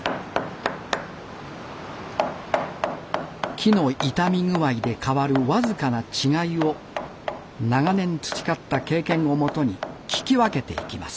木の傷み具合で変わる僅かな違いを長年培った経験をもとに聞き分けていきます。